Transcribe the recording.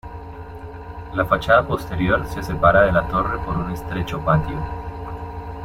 La fachada posterior se separa de la torre por un estrecho patio.